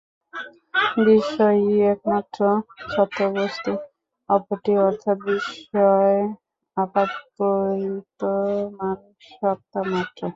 বিষয়ীই একমাত্র সত্য বস্তু, অপরটি অর্থাৎ বিষয় আপাতপ্রতীয়মান সত্তামাত্র।